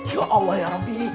ya allah ya rabbi